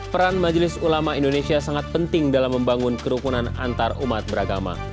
peran majelis ulama indonesia sangat penting dalam membangun kerukunan antarumat beragama